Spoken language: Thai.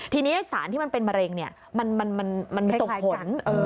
ทีนี้สารที่มันเป็นมะเร็งมันส่งผล